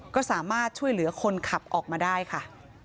ก็สามารถช่วยเหลือคนขับออกมาได้ค่ะ